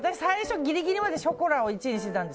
ギリギリまでショコラを１位にしていたんです。